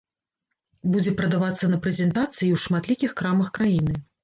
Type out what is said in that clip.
Будзе прадавацца на прэзентацыі і ў шматлікіх крамах краіны.